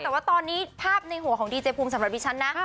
แต่ว่าตอนนี้ภาพในหัวของดีเจภูมิสำหรับดิฉันนะ